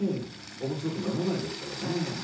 面白くならないですからね。